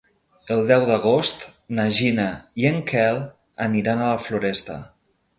El deu d'agost na Gina i en Quel aniran a la Floresta.